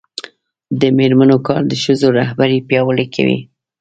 د میرمنو کار د ښځو رهبري پیاوړې کوي.